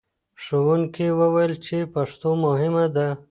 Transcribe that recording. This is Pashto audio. ښوونکي وویل چې پښتو مهمه ده.